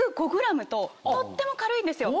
とっても軽いんですよ。